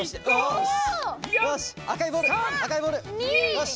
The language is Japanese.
よし！